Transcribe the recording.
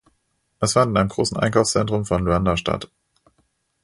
Es fand in einem großen Einkaufszentrum von Luanda statt.